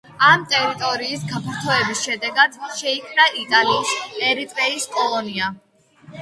ამ ტერიტორიის გაფართოების შედეგად შეიქმნა იტალიის ერიტრეის კოლონია.